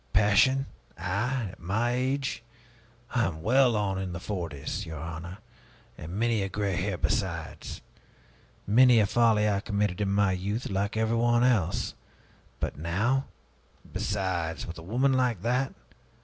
Passion? I? At my age? I am well on in the forties, your honor, and many a gray hair besides. Many a folly I committed in my youth, like everyone else. But now Besides, with a woman like that!